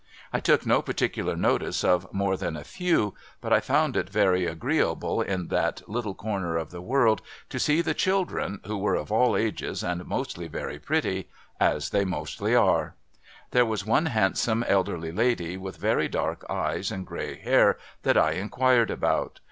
I took no particular notice of more than a few, but I found it very agreeable in that little corner of the world to see the children, who were of all ages, and mostly very pretty — as they mostly arc. There was one handsome elderly lady, with very dark eyes and gray hair, that I inquired about.